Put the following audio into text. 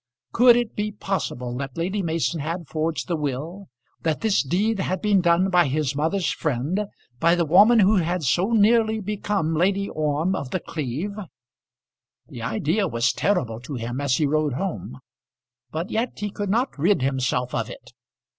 Could it be possible that Lady Mason had forged the will, that this deed had been done by his mother's friend, by the woman who had so nearly become Lady Orme of The Cleeve? The idea was terrible to him as he rode home, but yet he could not rid himself of it.